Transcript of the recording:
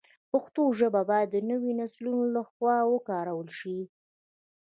پښتو ژبه باید د نویو نسلونو له خوا وکارول شي.